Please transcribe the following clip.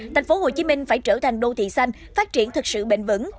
tp hcm phải trở thành đô thị xanh phát triển thực sự bền vững